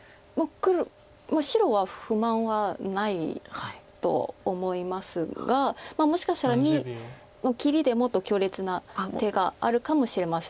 白は不満はないと思いますがもしかしたら②の切りでもっと強烈な手があるかもしれません。